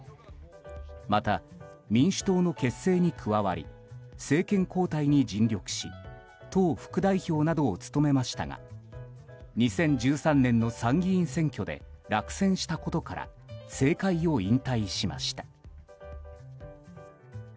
また、民主党の結成に加わり政権交代に尽力し党副代表などを務めましたが２０１３年の参議院選挙で落選したことから政界を引退しました。